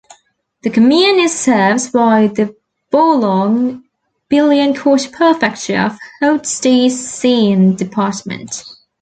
The commune is served by the Boulogne-Billancourt prefecture, of the Hauts-de-Seine department.